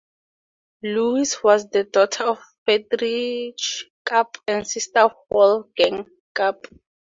Luise was the daughter of Friedrich Kapp and sister of Wolfgang Kapp.